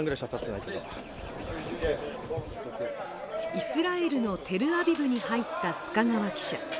イスラエルのテルアビブに入った須賀川記者。